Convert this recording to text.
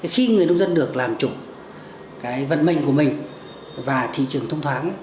khi người nông dân được làm chủ cái vận mệnh của mình và thị trường thông thoáng